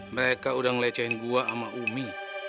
mereka udah ngelecehin gua sama ummi